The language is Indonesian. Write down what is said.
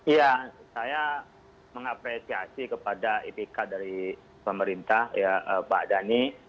iya saya mengapresiasi kepada ipk dari pemerintah pak dhani